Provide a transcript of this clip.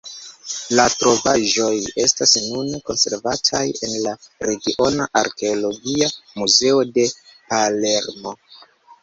La trovaĵoj estas nune konservataj en la Regiona Arkeologia Muzeo de Palermo.